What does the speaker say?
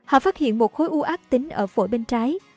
họ phát hiện một khối u ác tính ở phổi bên trái